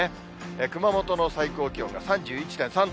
熊本の最高気温が３１．３度。